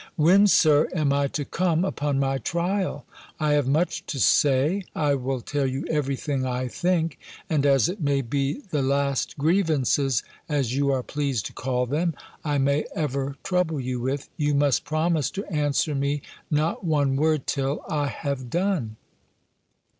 "When, Sir, am I to come upon my trial? I have much to say. I will tell you everything I think. And, as it may be the last grievances, as you are pleased to call them, I may ever trouble you with, you must promise to answer me not one word till I have done.